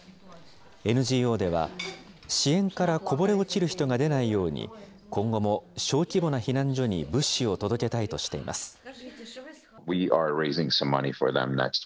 ＮＧＯでは、支援からこぼれ落ちる人が出ないように、今後も小規模な避難所に物資を届けたいとしています。